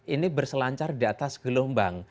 ini berselancar di atas gelombang